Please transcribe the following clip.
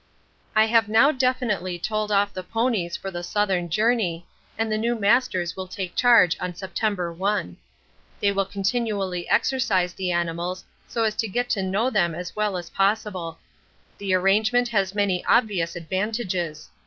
I have now definitely told off the ponies for the Southern Journey, and the new masters will take charge on September 1. They will continually exercise the animals so as to get to know them as well as possible. The arrangement has many obvious advantages.